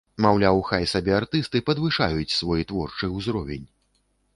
Маўляў, хай сабе артысты падвышаюць свой творчы ўзровень.